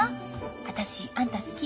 「私あんた好き。